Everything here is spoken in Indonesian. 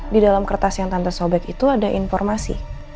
di dalam kertas yang tante sobek itu ada informasi